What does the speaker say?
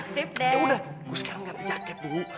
sip ya udah gue sekarang ganti jaket dulu